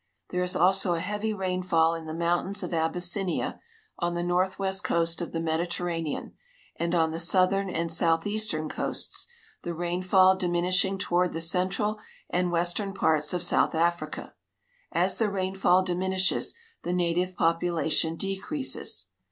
There is also a heavy rainfall in the mountains of Abys sinia, on the northwest coast of the ^Mediterranean and on the southern and southeastern coasts, the rainfall diminishing toward the central and western ^^arts of South Africa. As the rainfall diminishes, the native jDopulation decreases.